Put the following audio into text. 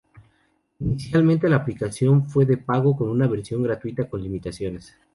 Inicialmente la aplicación fue de pago con una versión gratuita con limitaciones.